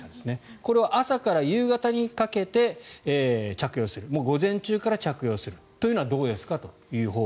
これを朝から夕方にかけて着用するもう午前中から着用するのはどうですかというやり方。